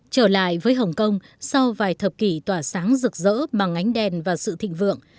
trở lại với hồng kông sau vài thập kỷ tỏa sáng rực rỡ bằng ánh đèn và sự thịnh vượng